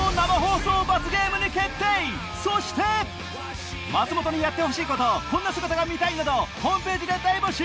そして松本にやってほしいことこんな姿が見たい！などホームページで大募集！